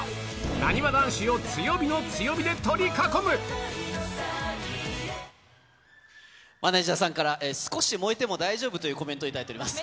なにわ男子を強火の強火で取り囲マネージャーさんから、少し燃えても大丈夫というコメントをいただいております。